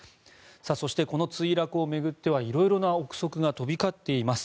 そしてこの墜落を巡ってはいろいろな憶測が飛び交っています。